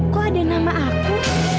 kok ada nama aku